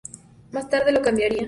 Más tarde lo cambiaría.